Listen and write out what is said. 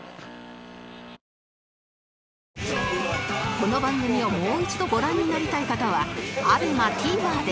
この番組をもう一度ご覧になりたい方は ＡＢＥＭＡＴＶｅｒ で